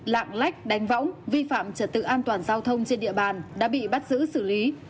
lạng lách đánh võng vi phạm trật tự an toàn giao thông trên địa bàn đã bị bắt giữ xử lý